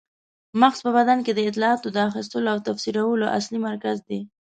مغز په بدن کې د اطلاعاتو د اخیستلو او تفسیرولو اصلي مرکز دی.